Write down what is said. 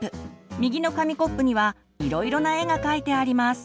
右の紙コップにはいろいろな絵が描いてあります。